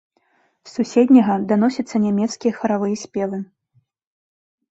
З суседняга даносяцца нямецкія харавыя спевы.